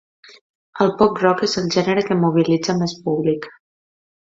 El pop-rock és el gènere que mobilitza més públic.